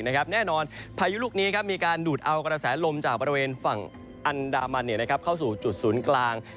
แน่นอนพายุลูกนี้มีการดูดเอากระแสลมจากบริเวณฝั่งอันดามันเข้าสู่จุดศูนย์กลาง